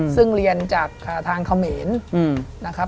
ซึ่งเรียนจากทางเขมรนะครับ